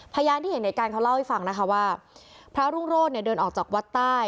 พยานที่เห็นเหตุการณ์เขาเล่าให้ฟังนะคะว่าพระรุ่งโรธเนี่ยเดินออกจากวัดใต้